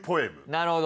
なるほど。